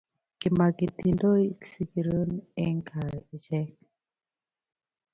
Kimaketindoi sikirokm en kaa echek